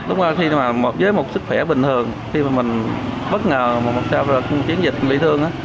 lúc đó khi mà với một sức khỏe bình thường khi mà mình bất ngờ mà một trường dịch bị thương